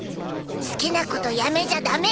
好きなことやめちゃダメ！